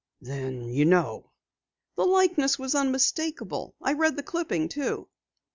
"Then you know?" "The likeness was unmistakable. I read the clipping, too."